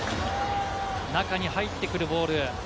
中に入ってくるボール。